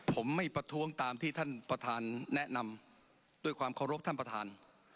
ผมไม่ประท้วงตามที่ท่านประธานแนะนำด้วยความเคารพท่านประธาน